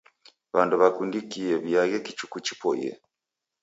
W'andu w'akundikie w'iaghe kichuku chipoiye.